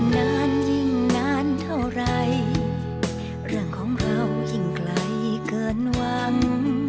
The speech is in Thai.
นานยิ่งนานเท่าไรเรื่องของเรายิ่งไกลเกินหวัง